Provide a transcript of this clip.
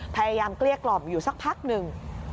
พยายามเกลี้ยกลอบอยู่สักพักนึง